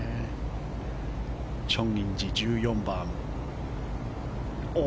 チョン・インジの１４番。